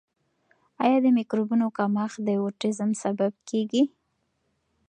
آیا د مایکروبونو کمښت د اوټیزم سبب کیږي؟